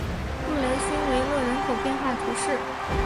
布雷松维勒人口变化图示